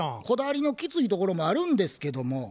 こだわりのきついところもあるんですけども。